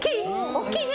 大きいね。